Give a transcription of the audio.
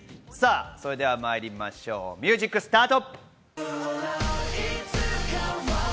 それでまいりましょう、ミュージックスタート！